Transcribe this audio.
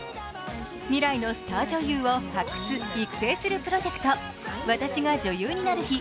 未来のスター女優を発掘・育成するプロジェクト、「『私が女優になる日＿』」